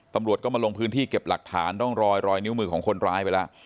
ตำรวจก็มาลงพื้นที่เก็บหลักฐานร่องรอยรอยนิ้วมือของคนร้ายไปแล้ว